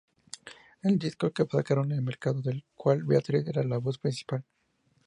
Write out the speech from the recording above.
El disco que sacaron al mercado, del cual Beatriz era la voz principal.